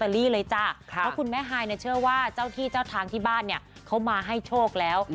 เพราะคุณแม่ฮายเชื่อว่าเจ้าที่เจ้าทางที่บ้านเนี่ยเขามาให้โชคแล้ว